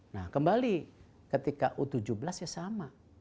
nah kembali ketika u tujuh belas ya sama